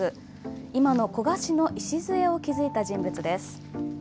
今の古河市の礎を築いた人物です。